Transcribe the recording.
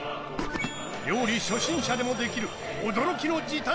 料理初心者でもできる驚きの時短術が続々！